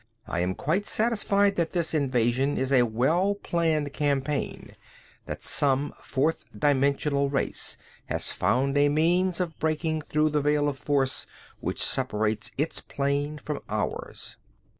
I am quite satisfied that this invasion is a well planned campaign, that some fourth dimensional race has found a means of breaking through the veil of force which separates its plane from ours."